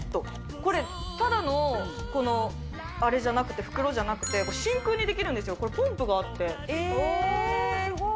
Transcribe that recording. これ、ただのあれじゃなくて、袋じゃなくて、真空にできるんですよ、これ、すごい。